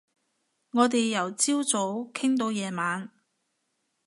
我哋由朝早傾到夜晚